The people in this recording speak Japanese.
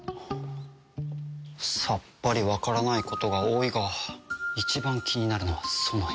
さっぱりわからないことが多いが一番気になるのはソノイ。